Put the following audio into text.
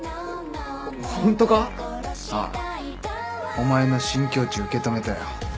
お前の新境地受け止めたよ。